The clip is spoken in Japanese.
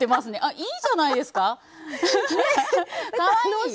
いいじゃないですか、かわいい。